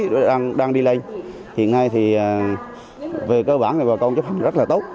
bà con đang đi lây hiện nay về cơ bản bà con chấp hẳn rất là tốt